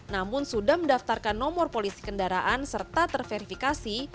namun sudah mendaftarkan nomor polisi kendaraan serta terverifikasi